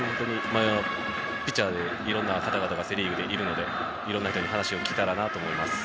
ピッチャーでいろんな方々がセ・リーグでいるのでいろんな人に話を聞けたらなと思います。